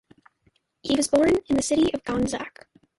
He was born in the city of Gandzak.